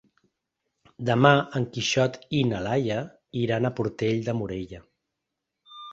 Demà en Quixot i na Laia iran a Portell de Morella.